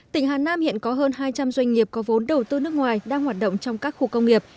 tỉnh hà nam hiện có hơn hai trăm linh doanh nghiệp có vốn đầu tư nước ngoài đang hoạt động trong các khu công nghiệp